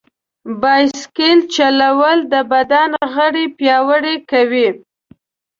بایسکل چلول د بدن غړي پیاوړي کوي.